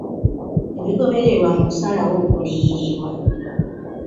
Ebigobererwa mu kusalawo okuliyirirwa.